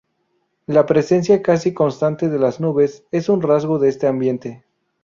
La presencia casi constante de las nubes es un rasgo de este ambiente.